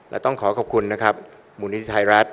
และต้องขอขอบคุณนะครับมูลนิธิไทยรัฐ